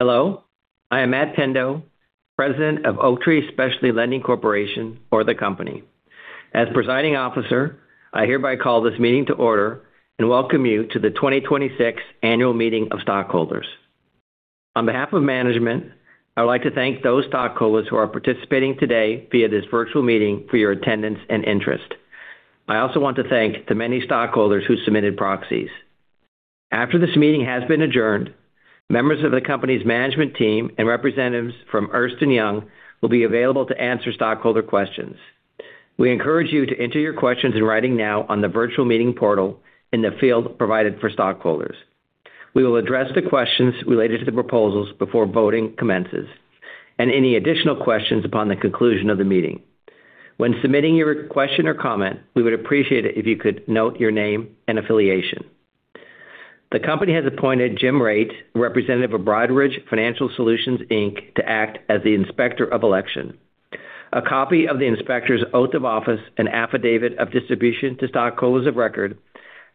Hello, I am Matt Pendo, President of Oaktree Specialty Lending Corporation, or the Company. As presiding officer, I hereby call this meeting to order and welcome you to the 2026 Annual Meeting of Stockholders. On behalf of management, I'd like to thank those stockholders who are participating today via this virtual meeting for your attendance and interest. I also want to thank the many stockholders who submitted proxies. After this meeting has been adjourned, members of the company's management team and representatives from Ernst & Young will be available to answer stockholder questions. We encourage you to enter your questions in writing now on the virtual meeting portal in the field provided for stockholders. We will address the questions related to the proposals before voting commences and any additional questions upon the conclusion of the meeting. When submitting your question or comment, we would appreciate it if you could note your name and affiliation. The company has appointed Jim Raitt, representative of Broadridge Financial Solutions, Inc., to act as the Inspector of Election. A copy of the Inspector's oath of office and affidavit of distribution to stockholders of record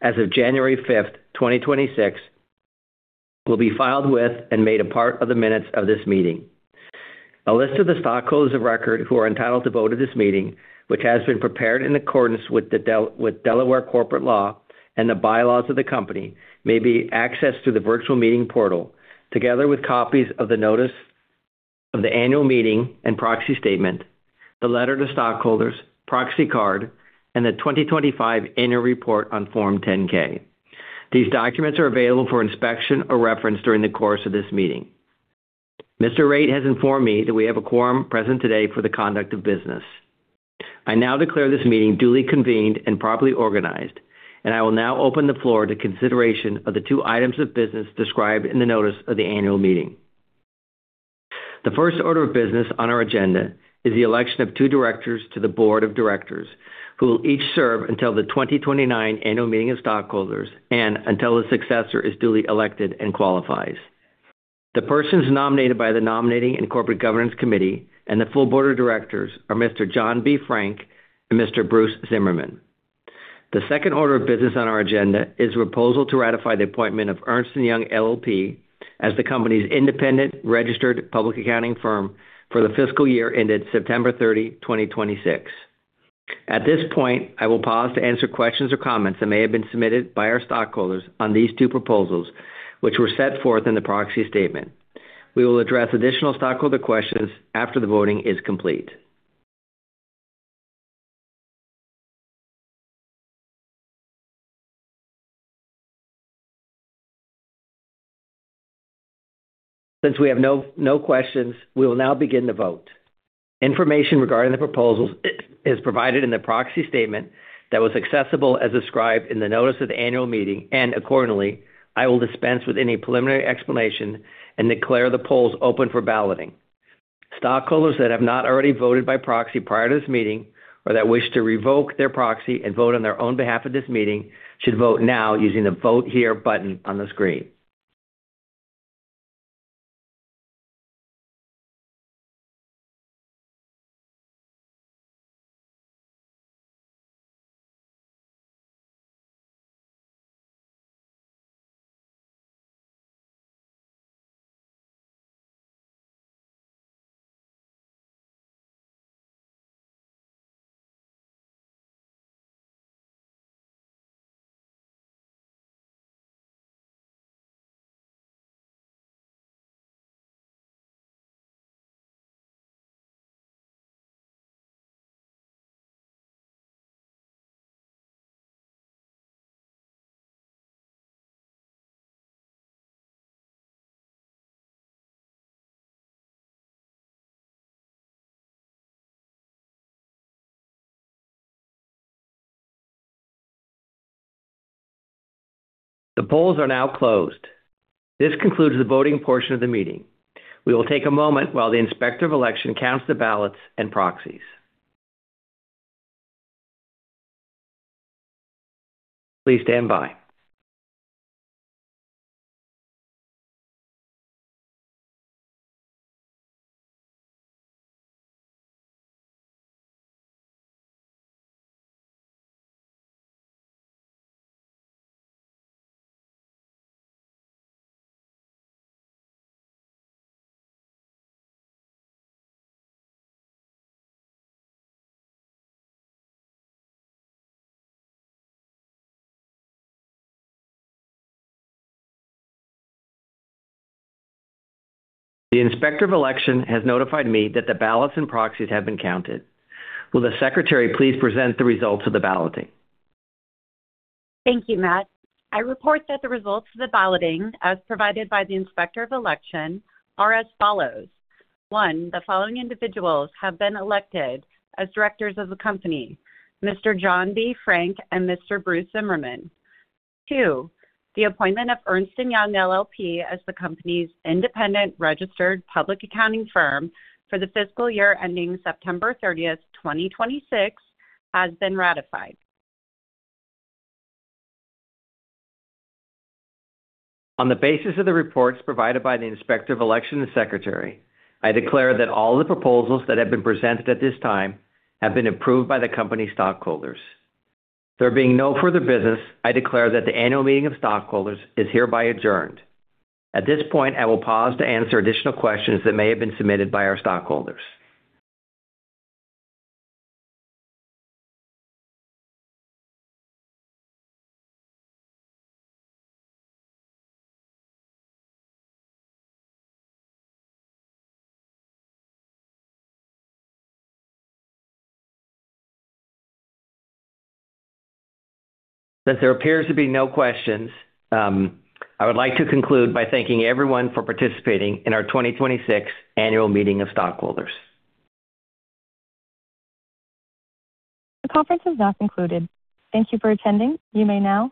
as of January 5th, 2026, will be filed with and made a part of the minutes of this meeting. A list of the stockholders of record who are entitled to vote at this meeting, which has been prepared in accordance with Delaware corporate law and the bylaws of the company, may be accessed through the virtual meeting portal, together with copies of the notice of the annual meeting and proxy statement, the letter to stockholders, proxy card, and the 2025 annual report on Form 10-K. These documents are available for inspection or reference during the course of this meeting. Mr. Raitt has informed me that we have a quorum present today for the conduct of business. I now declare this meeting duly convened and properly organized. I will now open the floor to consideration of the two items of business described in the notice of the annual meeting. The first order of business on our agenda is the election of two directors to the Board of Directors, who will each serve until the 2029 Annual Meeting of Stockholders and until a successor is duly elected and qualifies. The persons nominated by the Nominating and Corporate Governance Committee and the full Board of Directors are Mr. John B. Frank and Mr. Bruce Zimmerman. The second order of business on our agenda is a proposal to ratify the appointment of Ernst & Young LLP as the company's independent registered public accounting firm for the fiscal year ended September 30, 2026. At this point, I will pause to answer questions or comments that may have been submitted by our stockholders on these two proposals, which were set forth in the proxy statement. We will address additional stockholder questions after the voting is complete. Since we have no questions, we will now begin the vote. Information regarding the proposals is provided in the proxy statement that was accessible as described in the notice of the annual meeting. Accordingly, I will dispense with any preliminary explanation and declare the polls open for balloting. Stockholders that have not already voted by proxy prior to this meeting or that wish to revoke their proxy and vote on their own behalf at this meeting should vote now using the Vote Here button on the screen. The polls are now closed. This concludes the voting portion of the meeting. We will take a moment while the Inspector of Election counts the ballots and proxies. Please stand by. The Inspector of Election has notified me that the ballots and proxies have been counted. Will the secretary please present the results of the balloting? Thank you, Matt. I report that the results of the balloting, as provided by the inspector of election, are as follows. One. The following individuals have been elected as directors of the company, Mr. John B. Frank and Mr. Bruce Zimmerman. Two. The appointment of Ernst & Young LLP as the company's independent registered public accounting firm for the fiscal year ending September thirtieth, 2026, has been ratified. On the basis of the reports provided by the inspector of election and secretary, I declare that all the proposals that have been presented at this time have been approved by the company stockholders. There being no further business, I declare that the Annual Meeting of Stockholders is hereby adjourned. At this point, I will pause to answer additional questions that may have been submitted by our stockholders. Since there appears to be no questions, I would like to conclude by thanking everyone for participating in our 2026 Annual Meeting of Stockholders. The conference has now concluded. Thank you for attending. You may now disconnect.